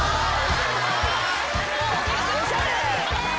おしゃれ。